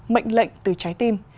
mệnh lệnh từ trái tim